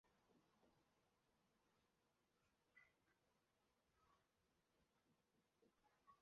现在起大多数收藏存于巴黎的国家自然历史博物馆。